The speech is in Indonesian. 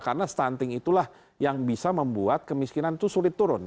karena stunting itulah yang bisa membuat kemiskinan itu sulit turun